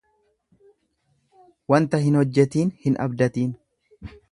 Wanta hin hojjetiin hin abdatiin.